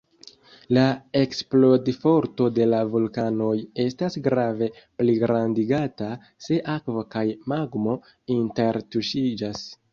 La eksplodforto de la vulkanoj estas grave pligrandigata, se akvo kaj magmo intertuŝiĝas.